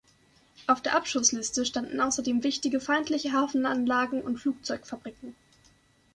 Auf der Abschussliste standen außerdem wichtige feindliche Hafenanlagen und Flugzeugfabriken.